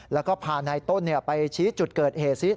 แล้วก็พานายต้นไปชี้จุดเกิดเหตุซิ